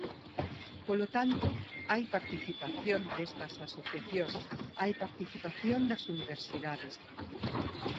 Polo tanto, hai participación destas asociacións, hai participación das universidades.